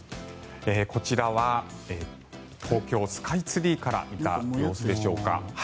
こちらは東京スカイツリーから見た様子でしょうか。